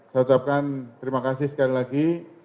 saya ucapkan terima kasih sekali lagi